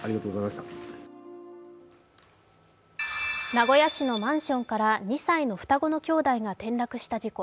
名古屋市のマンションから２歳の双子の兄弟が転落した事故。